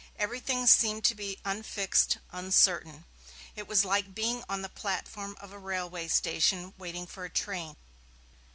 Everything seemed to be unfixed, uncertain; it was like being on the platform of a railway station waiting for a train.